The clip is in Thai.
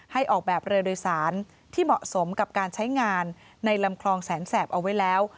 ออกแบบเรือโดยสารที่เหมาะสมกับการใช้งานในลำคลองแสนแสบเอาไว้แล้ว